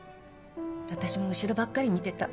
私も後ろばっかり見てた。